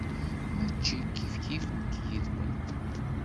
Mačči kifkif nekk yid-wen.